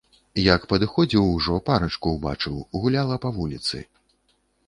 Як падыходзіў ужо, парачку ўбачыў, гуляла па вуліцы.